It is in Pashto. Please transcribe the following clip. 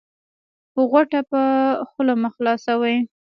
غوټه په خوله مه خلاصوی